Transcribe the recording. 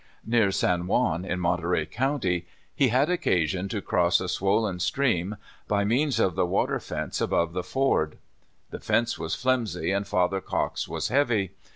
Near San Juan, in Monterey county, he had occa sion to cross a swollen stream by means of the water fence above the ford. The fence was flimsy, and Father Cox was heavy.